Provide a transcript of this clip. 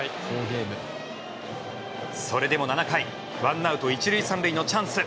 それでも７回ワンアウト１塁３塁のチャンス。